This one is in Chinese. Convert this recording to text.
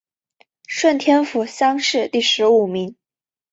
顺天府乡试第十五名。